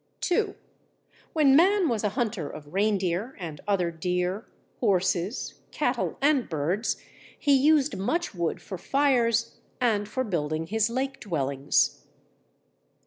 2. When man was a hunter of reindeer and other deer, horses, cattle, and birds, he used much wood for fires and for building his lake dwellings.